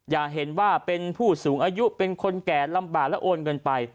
อย่าเห็นว่าเป็นผู้สูงอายุเป็นคนแก่ลำบากและโอนเงินไป